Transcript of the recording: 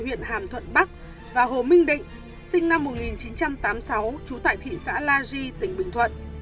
huyện hàm thuận bắc và hồ minh định sinh năm một nghìn chín trăm tám mươi sáu trú tại thị xã la di tỉnh bình thuận